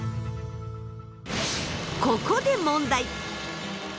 ここで問題！